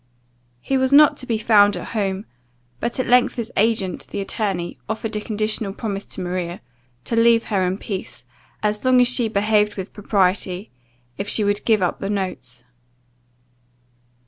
He was not to be found at home; but at length his agent, the attorney, offered a conditional promise to Maria, to leave her in peace, as long as she behaved with propriety, if she would give up the notes.